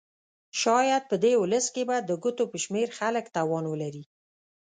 شاید په دې ولس کې به د ګوتو په شمېر خلک توان ولري.